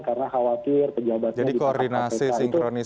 karena khawatir pejabatnya bisa mengatakan itu